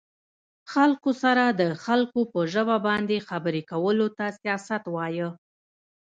خلکو سره د خلکو په ژبه باندې خبرې کولو ته سياست وايه